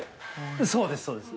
そうですそうです。